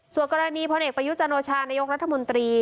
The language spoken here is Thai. ส่วนกรณีพลเอกประยุจันโอชานายกรัฐมนตรี